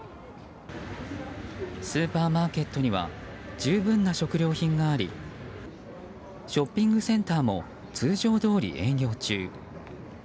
スーパーマーケットには十分な食料品がありショッピングセンターも通常どおり営業中。